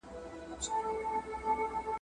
دا مخالفت تصادفي نه دی